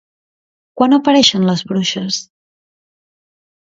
Quan apareixen les bruixes?